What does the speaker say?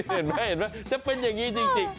เห็นไหมจะเป็นอย่างนี้จริง